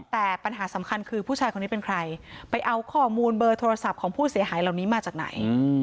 แต่ปัญหาสำคัญคือผู้ชายคนนี้เป็นใครไปเอาข้อมูลเบอร์โทรศัพท์ของผู้เสียหายเหล่านี้มาจากไหน